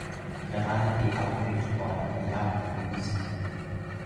jan ale li awen pilin pona, li awen pilin musi.